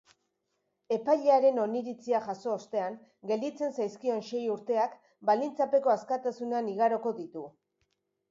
Epailearen oniritzia jaso ostean, gelditzen zaizkion sei urteak baldintzapeko askatasunean igaroko ditu.